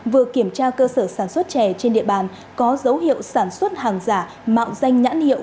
vừa kiểm tra cơ sở sản xuất chè trên địa bàn có dấu hiệu sản xuất hàng giả mạo danh nhãn hiệu